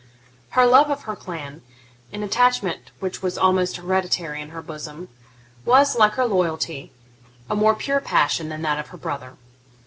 Her love of her clan, an attachment which was almost hereditary in her bosom, was, like her loyalty, a more pure passion than that of her brother.